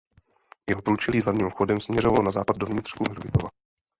Jeho průčelí s hlavním vchodem směřovalo na západ do vnitřku hřbitova.